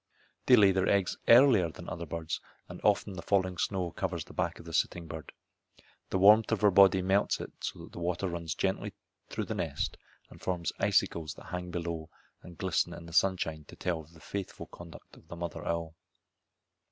They lay their eggs earlier than other birds, and often the falling snow covers the back of the sitting bird. The warmth of her body melts it so that water runs gently down through the nest and forms icicles that hang below and glisten in the sunshine to tell of the faithful conduct of the mother owl.